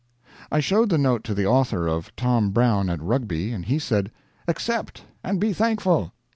I showed the note to the author of "Tom Brown at Rugby," and he said: "Accept, and be thankful."